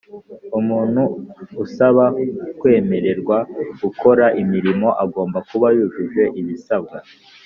Umuntu usaba kwemererwa gukora imirimo agomba kuba yujuje ibisabwa